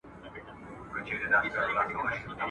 څوک چي لاس در پوري بند کي، مه ئې غوڅوه.